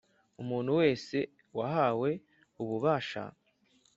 Umuntu wese wahawe ububasha